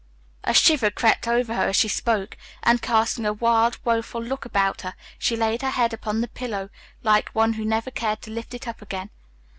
A shiver crept over her as she spoke, and, casting a wild, woeful look about her, she laid her head upon the pillow like one who never cared to lift it up again.